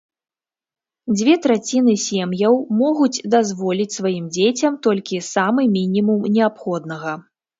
Дзве траціны сем'яў могуць дазволіць сваім дзецям толькі самы мінімум неабходнага.